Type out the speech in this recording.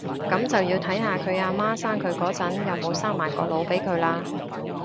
噉就要睇下佢阿媽生佢嗰陣有冇生埋個腦俾佢喇